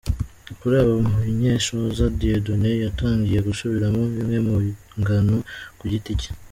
Kuri ubu Munyenshoza Dieudonne yatangiye gusubiramo bimwe mu bihangano ku giti cye.